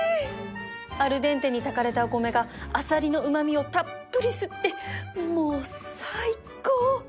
アルデンテに炊かれたお米がアサリのうま味をたっぷり吸ってもう最高！